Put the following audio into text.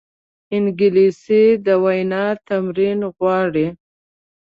انګلیسي د وینا تمرین غواړي